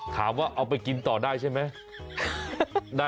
ถามว่าเอาไปกินต่อได้ใช่ไหม